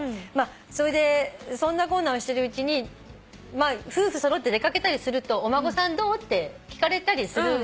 それでそんなこんなをしてるうちに夫婦揃って出掛けたりするとお孫さんどう？って聞かれたりするじゃない。